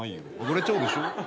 暴れちゃうでしょ。